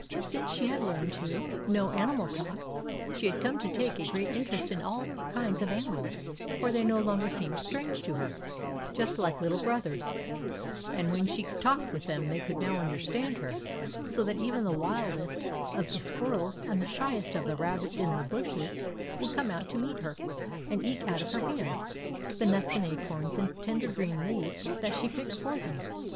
Since she had learned to 3 r 32 THE ADVENTURES OF MABEL know animal talk she had come to take a great interest in all kinds of animals, for they no longer seemed strange to her, but just like little brothers ; and when she talked with them they could now understand her ; so that even the wildest of the squir rels and the shyest of the rabbits in the bushes would come out to meet her and eat out of her hands the nuts and acorns and tender green leaves that she picked for them.